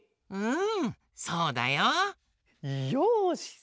うんそうだよ。よし！